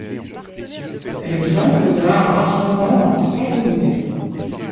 Exemple d'arbre ascendant à trois degrés.